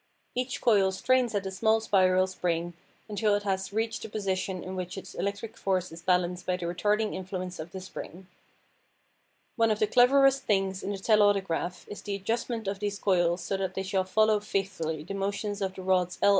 Each coil strains at a small spiral spring until it has reached the position in which its electric force is balanced by the retarding influence of the spring. One of the cleverest things in the telautograph is the adjustment of these coils so that they shall follow faithfully the motions of the rods LL' in the transmitter.